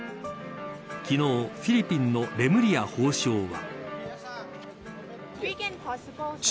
昨日フィリピンのレムリヤ法相は。